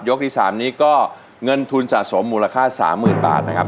ที่๓นี้ก็เงินทุนสะสมมูลค่า๓๐๐๐บาทนะครับ